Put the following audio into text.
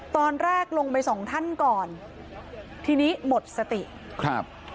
ตอนแรกลงไปสองท่านก่อนทีนี้หมดสติครับ